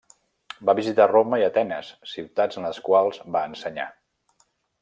Va visitar Roma i Atenes, ciutats en les quals va ensenyar.